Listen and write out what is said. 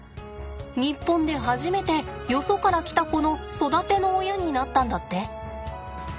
日本で初めてよそから来た子の育ての親になったんだって。